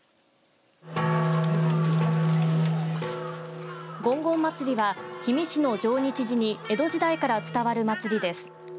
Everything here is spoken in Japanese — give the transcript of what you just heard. ごんごん祭りは氷見市の上日寺に江戸時代から伝わる祭りです。